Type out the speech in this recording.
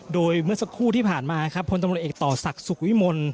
โดยเมื่อสักครู่ที่ผ่านมาครับพลตำรวจเอกต่อศักดิ์สุขวิมล